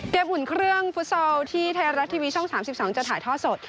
อุ่นเครื่องฟุตซอลที่ไทยรัฐทีวีช่อง๓๒จะถ่ายทอดสด